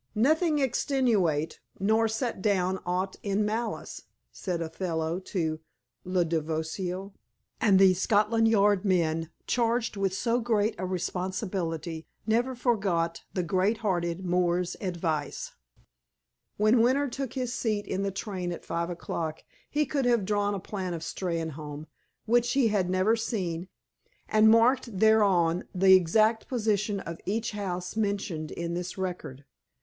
"Nothing extenuate, nor set down aught in malice," said Othello to Lodovico, and these Scotland Yard men, charged with so great a responsibility, never forgot the great hearted Moor's advice. When Winter took his seat in the train at five o'clock he could have drawn a plan of Steynholme, which he had never seen, and marked thereon the exact position of each house mentioned in this record.